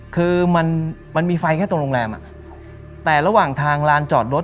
คือมันมันมีไฟแค่ตรงโรงแรมอ่ะแต่ระหว่างทางลานจอดรถ